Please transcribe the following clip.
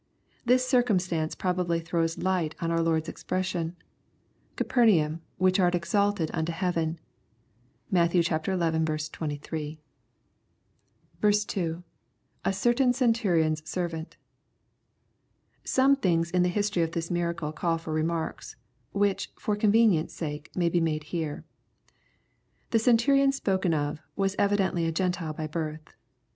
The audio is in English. This circumstance probably throws light on our Lord's expression, ^' Capernaum, which ait exalted unto heaven." (Matt. XL 23.) 2. — [A certain Centuriori's servant.) Some things in the history of this miracle call for remarks, which, for convenience sake, may be made here. The Centurion spoken of, was evidently a Gentile by birth.